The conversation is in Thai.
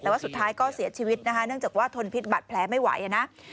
แต่ว่าสุดท้ายก็เสียชีวิตนะคะเนื่องจากว่าทนพิษบัตรแผลไม่ไหวนะ